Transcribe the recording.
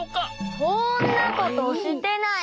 そんなことしてない！